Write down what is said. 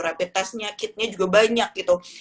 rapid testnya kitnya juga banyak gitu